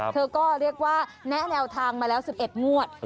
เธอก็เรียกว่าแนะแนวทางมาแล้ว๑๑งวด